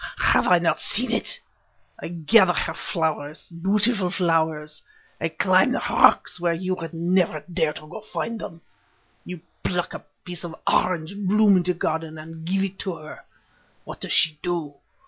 Have I not seen it? I gather her flowers—beautiful flowers; I climb the rocks where you would never dare to go to find them; you pluck a piece of orange bloom in the garden and give it to her. What does she do?